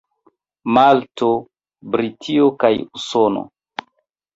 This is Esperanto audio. Malto, Britio kaj Usono.